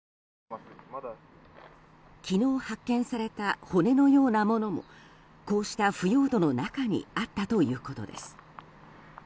昨日、発見された骨のようなものもこうした腐葉土の中にあったということです。